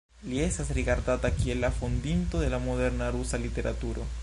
Li estas rigardata kiel la fondinto de la moderna rusa literaturo.